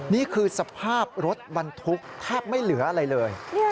นี่คือสภาพรถบรรทุกแทบไม่เหลืออะไรเลย